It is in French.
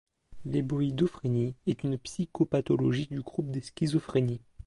L'héboïdophrénie est une psychopathologie du groupe des schizophrénies.